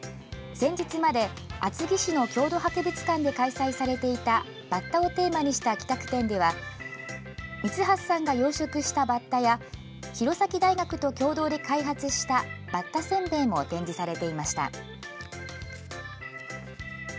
先日まで厚木市の郷土博物館で開催されていたバッタをテーマにした企画展では三橋さんが養殖したバッタや弘前大学と共同で開発したバッタせんべいも展示されていました。